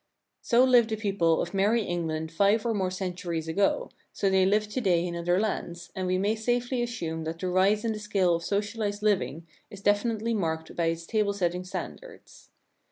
So lived the people of Mer ? rie England five or more cen turies ago, so they live to day in other lands, and we may safely assume that the rise in the scale of socialized living is definitely marked by its table setting standards.